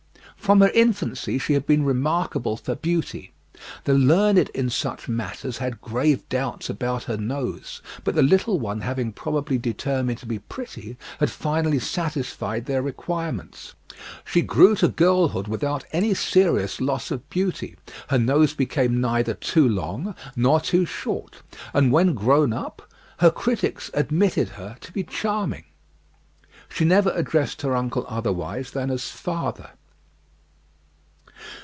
From her infancy she had been remarkable for beauty. The learned in such matters had grave doubts about her nose, but the little one having probably determined to be pretty, had finally satisfied their requirements. She grew to girlhood without any serious loss of beauty; her nose became neither too long nor too short; and when grown up, her critics admitted her to be charming. She never addressed her uncle otherwise than as father.